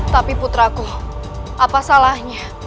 tapi putraku apa salahnya